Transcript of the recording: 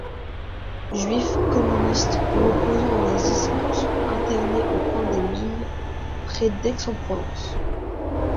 Juifs, communistes ou opposants au nazisme sont internés au camp des Milles, près d'Aix-en-Provence.